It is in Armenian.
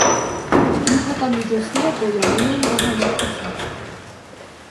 Նյութական միջոցները գոյանում էին բաժանորդությամբ։